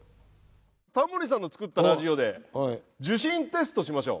タモリさんの作ったラジオで受信テストしましょう。